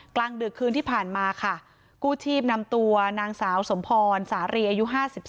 กลางดึกคืนที่ผ่านมาค่ะกู้ชีพนำตัวนางสาวสมพรสารีอายุ๕๓